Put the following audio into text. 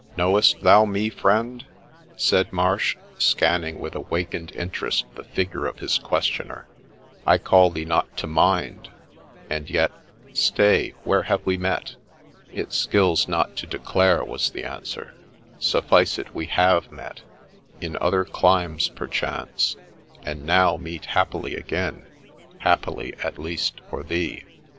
Knowest thou me, friend ?' said Marsh, scanning with awakened interest the figure of his questioner :' I call thee not to mind ; and yet — stay, where have we met ?' 4 It skills not to declare,' was the answer ; 4 suffice it we have met — in other climes perchance — and now meet happily again — happily at least for thee.'